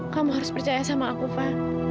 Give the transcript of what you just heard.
kamu harus percaya sama aku fa